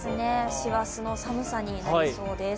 師走の寒さになりそうです。